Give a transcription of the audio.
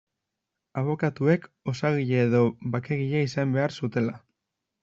Abokatuek osagile eta bakegile izan behar zutela.